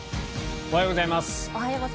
おはようございます。